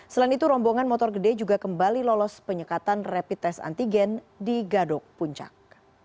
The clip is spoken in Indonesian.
selain itu rombongan motor gede juga kembali lolos penyekatan rapid test antigen di gadok puncak